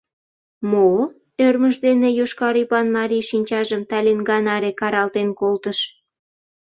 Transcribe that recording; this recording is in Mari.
— Мо?! — ӧрмыж дене йошкар ӱпан марий шинчажым талиҥга наре каралтен колтыш.